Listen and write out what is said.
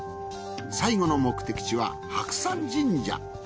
最後の目的地は白山神社。